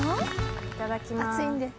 いただきます。